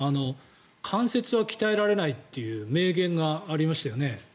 関節は鍛えられないっていう名言がありましたよね？